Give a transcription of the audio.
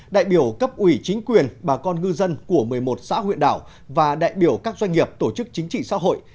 đại biểu cấp ủy chính quyền bà con ngư dân của một mươi một xã huyện đảo và đại biểu các doanh nghiệp tổ chức chính trị xã hội